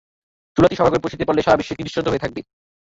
চুলাটি সবার ঘরে পৌঁছে দিতে পারলে সারা বিশ্বে একটি দৃষ্টান্ত হয়ে থাকবে।